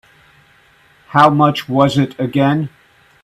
How much was it again?